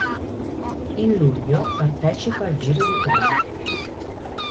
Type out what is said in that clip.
In luglio partecipa al Giro d'Italia.